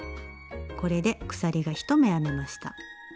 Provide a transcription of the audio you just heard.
これで鎖が１目編めました。